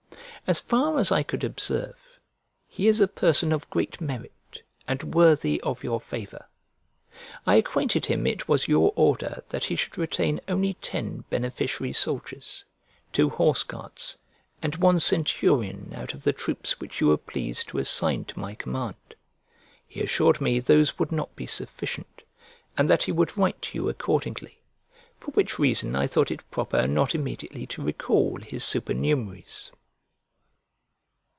As far as I could observe, he is a person of great merit and worthy of your favour. I acquainted him it was your order that he should retain only ten beneficiary soldiers, two horse guards, and one centurion out of the troops which you were pleased to assign to my command. He assured me those would not be sufficient, and that he would write to you accordingly; for which reason I thought it proper not immediately to recall his supernumeraries.